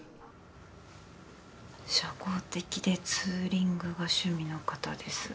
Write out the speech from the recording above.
「社交的でツーリングが趣味の方です」